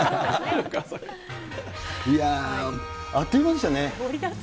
いやー、あっという間でしたね。